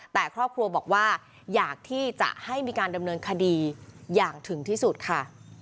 แต่ครอบครัวบอกว่าอยากที่จะให้มีการดำเนินคดีอย่างถึงที่สุดค่ะ